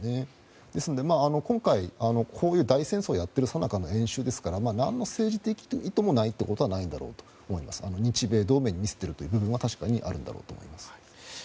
ですので今回、こういう大戦争をやっているさなかの演習ですから何の政治的意図もないことはないんだと思うんですが日米同盟に見せているところは確かにあるんだろうと思います。